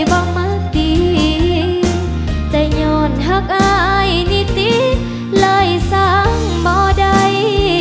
บ้างมะตีใจหย่อนหักอายนิติหลายสังเบาใด